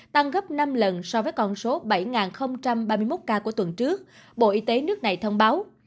tăng gấp năm lần so với con số bảy ba mươi một ca của tuần trước bộ y tế nước này thông báo